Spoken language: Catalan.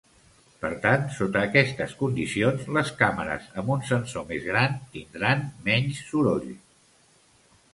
Per tant, sota aquestes condicions, les càmeres amb un sensor més gran, tindran menys soroll.